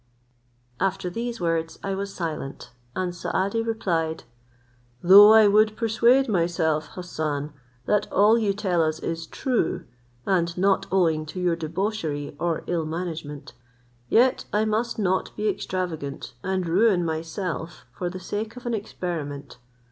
After these words I was silent; and Saadi replied, "Though I would persuade myself, Hassan, that all you tell us is true, and not owing to your debauchery or ill management, yet I must not be extravagant, and ruin myself for the sake of an experiment.